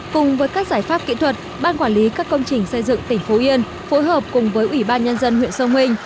cùng với các giải pháp kỹ thuật ban quản lý các công trình xây dựng tỉnh phú yên phối hợp cùng với ủy ban nhân dân huyện sông hình